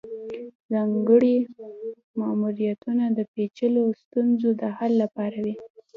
ځانګړي ماموریتونه د پیچلو ستونزو د حل لپاره وي